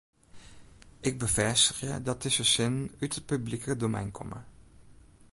Ik befêstigje dat dizze sinnen út it publike domein komme.